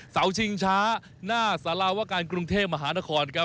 เสาชิงช้าหน้าสารวกาลกรุงเทพร์มหานคร